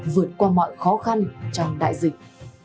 vượt qua mọi khó khăn trong đại dịch